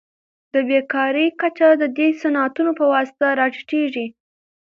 د بیکارۍ کچه د دې صنعتونو په واسطه راټیټیږي.